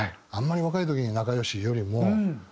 あんまり若い時に仲良しよりも。